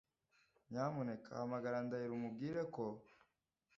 Nyamuneka hamagara Ndahiro umubwire ko.